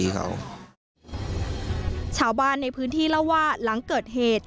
ชาวบ้านในพื้นที่เล่าว่าหลังเกิดเหตุ